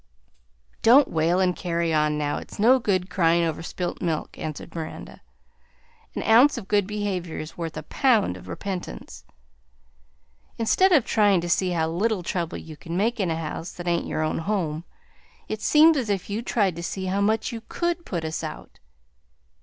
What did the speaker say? "Don't wail and carry on now; it's no good cryin' over spilt milk," answered Miranda. "An ounce of good behavior is worth a pound of repentance. Instead of tryin' to see how little trouble you can make in a house that ain't your own home, it seems as if you tried to see how much you could put us out.